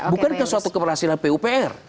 bukankah suatu keberhasilan pupr